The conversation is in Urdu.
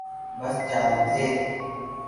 بس جالب تھے۔